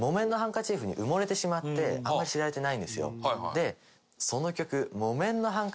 でその曲。